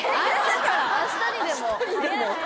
明日にでも？